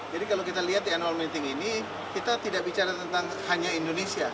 jadi kalau kita lihat di annual meeting ini kita tidak bicara tentang hanya indonesia